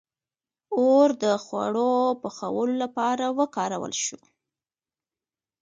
• اور د خوړو پخولو لپاره وکارول شو.